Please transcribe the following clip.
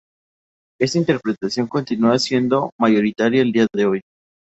Esta interpretación continúa siendo mayoritaria el día de hoy.